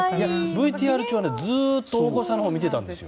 ＶＴＲ中はずっと大越さんのほう見てたんですよ。